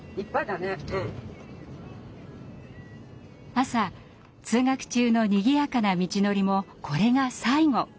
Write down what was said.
朝通学中のにぎやかな道のりもこれが最後。